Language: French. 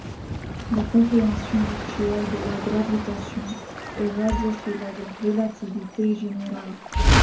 La compréhension actuelle de la gravitation est basée sur la relativité générale.